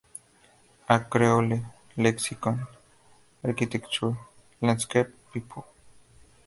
A Creole lexicon: architecture, landscape, people.